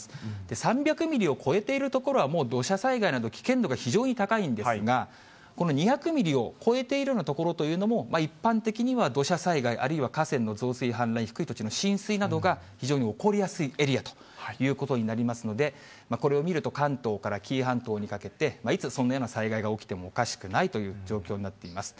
３００ミリを超えている所は、もう土砂災害など危険度が非常に高いんですが、この２００ミリを超えているような所というのも、一般的には土砂災害、あるいは河川の増水、氾濫、低い土地の浸水などが非常に起こりやすいエリアということになりますので、これを見ると、関東から紀伊半島にかけて、いつ、そんなような災害が起きてもおかしくないという状況になっています。